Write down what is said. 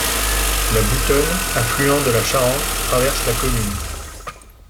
La Boutonne, affluent de la Charente, traverse la commune.